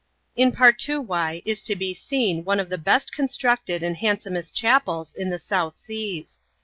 In Partoowye is to be seen one of the best eonstrncted and handsomest chapels in the South Seas.